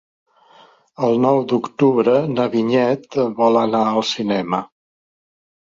El nou d'octubre na Vinyet vol anar al cinema.